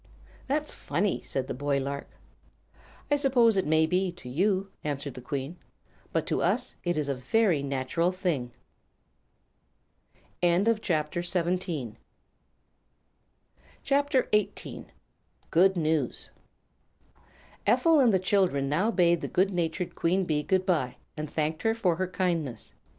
"That's funny," said the boy lark. "I suppose it may be, to you," answered the Queen, "but to us it is a very natural thing." [CHAPTER XVIII] Good News Ephel and the children now bade the good natured Queen Bee good bye, and thanked her for her kindness.